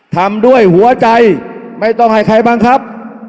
ทำด้วยหัวใจไม่ต้องให้ใครบังคับ